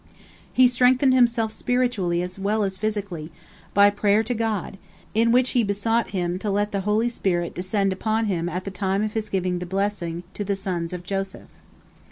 He strengthened himself spiritually as well as physically, by prayer to God, in which he besought Him to let the holy spirit descend upon him at the time of his giving the blessing to the sons of Joseph.